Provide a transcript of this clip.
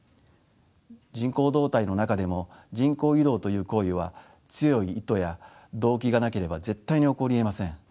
人口動態の中でも人口移動という行為は強い意図や動機がなければ絶対に起こりえません。